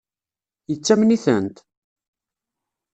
Yettamen-itent?